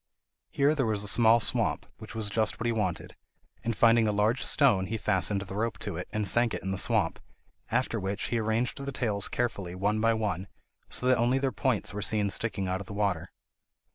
Here there was a small swamp, which was just what he wanted, and finding a large stone, he fastened the rope to it, and sank it in the swamp, after which he arranged the tails carefully one by one, so that only their points were seen sticking out of the water.